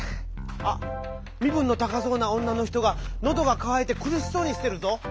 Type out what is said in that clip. あっ身分の高そうな女の人がのどがかわいてくるしそうにしてるぞ！